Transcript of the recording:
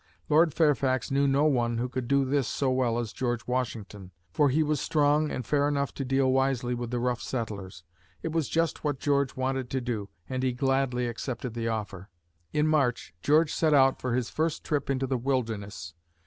Lord Fairfax knew no one who could do this so well as George Washington, for he was strong and fair enough to deal wisely with the rough settlers. It was just what George wanted to do, and he gladly accepted the offer. In March, George set out for his first trip into the wilderness.